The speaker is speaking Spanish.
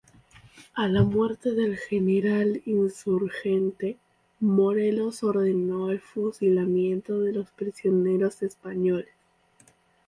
A la muerte del general insurgente, Morelos ordenó el fusilamiento de los prisioneros españoles.